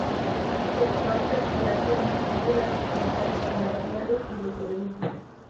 Sector terciario: incluye las actividades comerciales y de servicio.